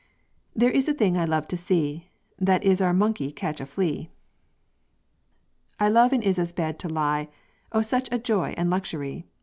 "There is a thing I love to see, That is our monkey catch a flee." "I love in Isa's bed to lie, Oh, such a joy and luxury!